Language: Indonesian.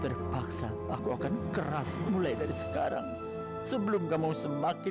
semoga perasaanku dan ke leafless crusader anda tidak mengulang nyawa kuil dan sujar lama ini